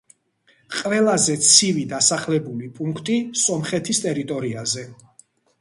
ყველაზე ცივი დასახლებული პუნქტი სომხეთის ტერიტორიაზე.